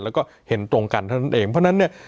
แล้วก็เห็นตรงกันเท่านั้นเองเพราะฉะนั้นเนี่ย